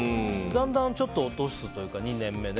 だんだんちょっと落とすというか２年目で。